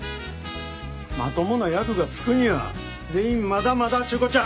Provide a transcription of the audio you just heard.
まともな役がつくには全員まだまだっちゅうこっちゃ。